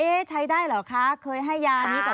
ใช้ได้เหรอคะเคยให้ยานี้เหรอ